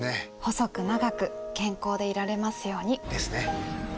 細く長く健康でいられますように。ですね。